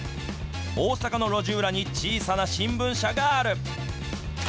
大阪の路地裏に、小さな新聞社がある。